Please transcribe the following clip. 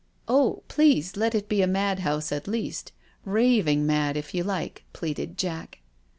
" Oh, please let it be a mad house at least— raving mad, if you like," pleaded Jack.